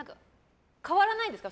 変わらないですか？